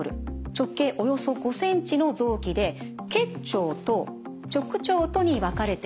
直径およそ５ｃｍの臓器で結腸と直腸とに分かれています。